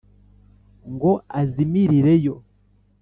ngo azimirire yo.